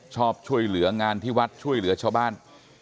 ชอบช่วยเหลืองานที่วัดช่วยเหลือชาวบ้าน